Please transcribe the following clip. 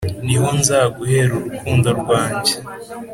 ni ho nzaguhera urukundo rwanjye.